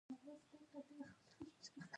د زده کړې پروسه مرحله وار او منظم و.